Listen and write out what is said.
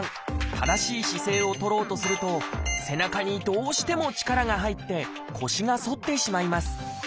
正しい姿勢をとろうとすると背中にどうしても力が入って腰が反ってしまいます。